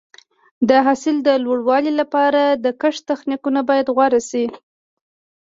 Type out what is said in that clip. د حاصل د لوړوالي لپاره د کښت تخنیکونه باید غوره شي.